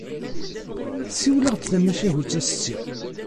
Siwel-aɣ-d tamacahut, a setti.